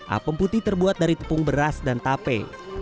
apem putih terbuat dari tepung beras dan tape